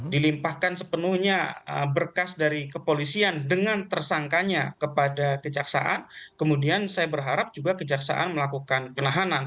dilimpahkan sepenuhnya berkas dari kepolisian dengan tersangkanya kepada kejaksaan kemudian saya berharap juga kejaksaan melakukan penahanan